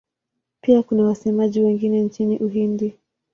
Pia kuna wasemaji wengine nchini Uhindi.